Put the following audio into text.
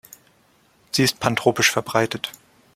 Sie ist pantropisch verbreitet.